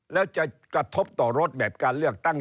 แล้วจะกระทบต่อรถแบบการเลือกตั้ง